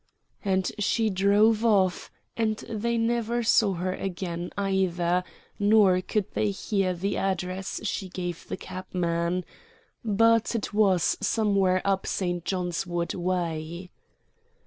And she drove off, and they never saw her again either, nor could they hear the address she gave the cabman. But it was somewhere up St. John's Wood way.